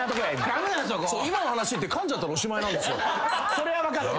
それは分かってる？